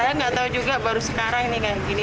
saya nggak tahu juga baru sekarang ini kayak gini